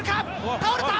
倒れた！